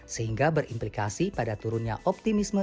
sehingga berimplikasi pada turunnya optimisme